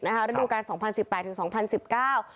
ได้ดูกันคือ๒๐๑๘๒๐๑๙